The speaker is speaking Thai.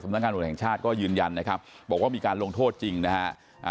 นักงานตำรวจแห่งชาติก็ยืนยันนะครับบอกว่ามีการลงโทษจริงนะฮะ